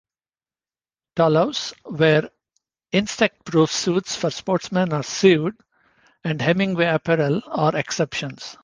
Talous, where insectproof suits for sportsmen are sewed, and Hemingway Apparel, are exceptions.